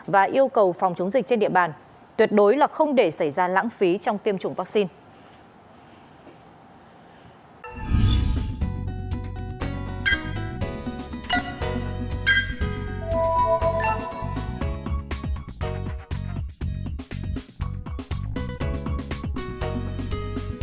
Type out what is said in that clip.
và yêu cầu phòng chống dịch trên địa bàn tuyệt đối không để xảy ra lãng phí trong tiêm chủng vaccine